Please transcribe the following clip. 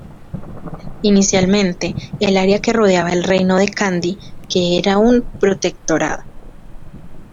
Inicialmente, el área que rodeaba al Reino de Kandy, que era un protectorado.